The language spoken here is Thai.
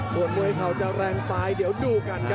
ส่วนมวยเข่าจะแรงไปเดี๋ยวดูกันครับ